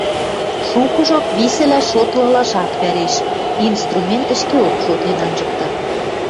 Шукыжок висӹлӓш-шотлылаш ак вӓрешт, инструмент ӹшкеок шотлен анжыкта.